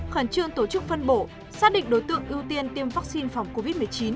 khẩn trương tổ chức phân bổ xác định đối tượng ưu tiên tiêm vaccine phòng covid một mươi chín